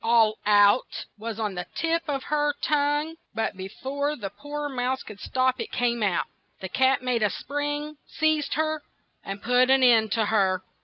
"All out'' was on the tip of her tongue, and be fore the poor mouse could stop, it came out. The cat made a spring, seized her, and put an end to her.